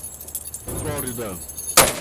Flórida